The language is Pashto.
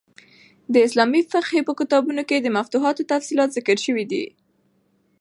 د اسلامي فقهي په کتابو کښي د مفتوحانو تفصیلات ذکر سوي دي.